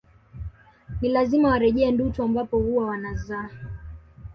Ni lazima warejee Ndutu ambapo huwa wanazaa